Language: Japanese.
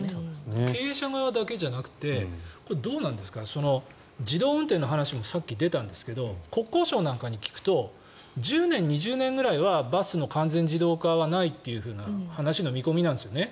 経営者側だけじゃなくて自動運転の話もさっき出たんですが国交省に聞くと１０年、２０年はバスの完全自動化はないということなんですね。